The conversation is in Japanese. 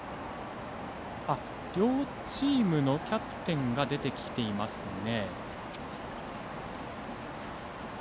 両チームのキャプテンが出てきていますね。